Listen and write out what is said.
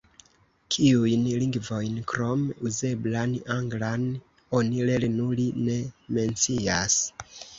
Kiujn lingvojn krom "uzeblan anglan" oni lernu, li ne mencias.